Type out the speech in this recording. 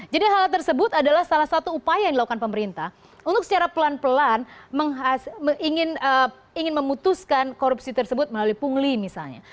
jadi hal tersebut adalah salah satu upaya yang dilakukan pemerintah untuk secara pelan pelan ingin memutuskan korupsi tersebut melalui pungli misalnya